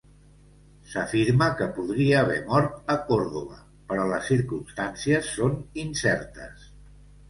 S'afirma que podria haver mort a Còrdova, però les circumstàncies són incertes.